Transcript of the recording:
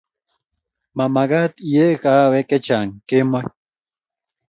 Mamagat iee kahawek chchang kemoi